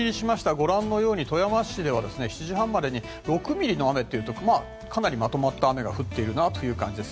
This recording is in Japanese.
ご覧のように富山市では７時半までに６ミリの雨というとかなりまとまった雨が降っている感じです。